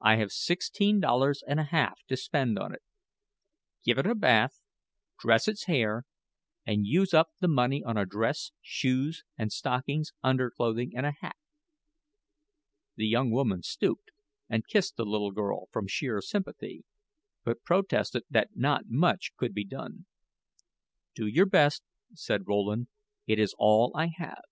"I have sixteen dollars and a half to spend on it. Give it a bath, dress its hair, and use up the money on a dress, shoes, and stockings, underclothing, and a hat." The young woman stooped and kissed the little girl from sheer sympathy, but protested that not much could be done. "Do your best," said Rowland; "it is all I have.